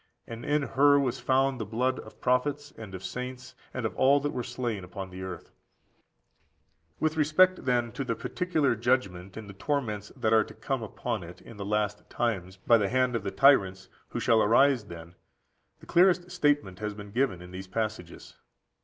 And in her was found the blood of prophets and of saints, and of all that were slain upon the earth."14871487 Rev. xvii.; xviii. 43. With respect, then, to the particular judgment in the torments that are to come upon it in the last times by the hand of the tyrants who shall arise then, the clearest statement has been given in these passages.